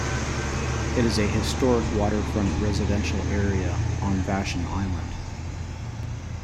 It is a historic waterfront residential area on Vashon Island.